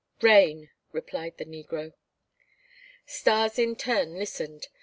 "Rain," replied the negro. Stas in turn listened.